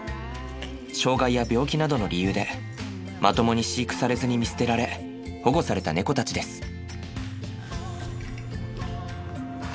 障害や病気などの理由でまともに飼育されずに見捨てられ保護された猫たちです。